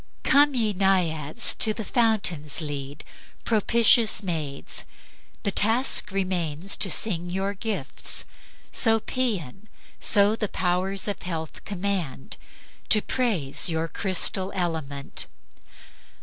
"Come, ye Naiads! to the fountains lead! Propitious maids! the task remains to sing Your gifts (so Paeon, so the powers of Health Command), to praise your crystal element.